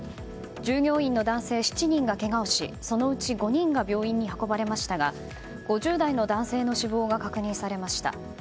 従業員の男性７人がけがをしそのうち５人が病院に運ばれましたが５０代の男性の死亡が確認されました。